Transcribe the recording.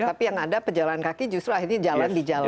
tapi yang ada pejalan kaki justru akhirnya jalan di jalan